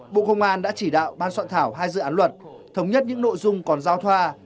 bộ công an đã chỉ đạo ban soạn thảo hai dự án luật thống nhất những nội dung còn giao thoa